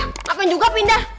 ngapain juga pindah